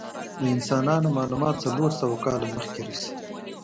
د انسانانو معلومات څلور سوه کاله مخکې رسی.